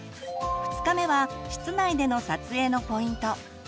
２日目は室内での撮影のポイント。